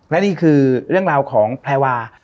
และนี่คือเรื่องราวของแพรวา